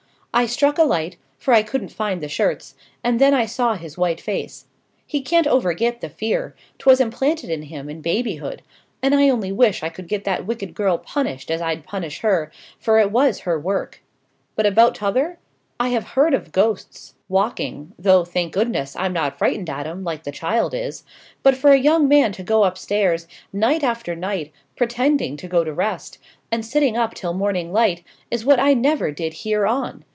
I struck a light, for I couldn't find the shirts, and then I saw his white face. He can't overget the fear: 'twas implanted in him in babyhood: and I only wish I could get that wicked girl punished as I'd punish her, for it was her work. But about the t'other? I have heard of ghosts walking though, thank goodness, I'm not frightened at 'em, like the child is! but for a young man to go upstairs, night after night, pretending to go to rest, and sitting up till morning light, is what I never did hear on.